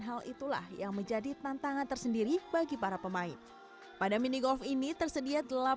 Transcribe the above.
hal itulah yang menjadi tantangan tersendiri bagi para pemain pada mini golf ini tersedia